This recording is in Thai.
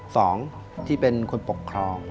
สองที่เป็นคนปกครอง